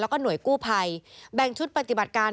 แล้วก็หน่วยกู้ภัยแบ่งชุดปฏิบัติการ